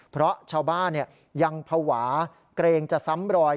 เพราะชาวบ้านยังภาวะเกรงจะซ้ำรอย